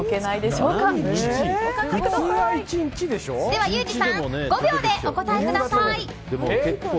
では、ユージさん５秒でお答えください。